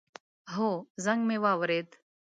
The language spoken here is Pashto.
هو، زنګ می واورېد